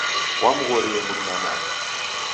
Wamghorie mruna mae.